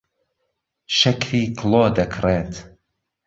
شەکری کڵۆ دەکڕێت.